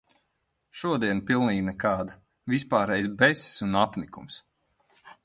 Šodiena pilnīgi nekāda, vispārējs besis un apnikums.